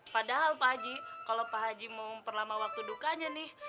padahal pak haji kalau pak haji mau memperlama waktu dukanya nih